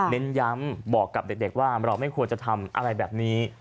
เน้นย้ำบอกกับเด็กว่าเราไม่ควรจะทำอะไรแบบนี้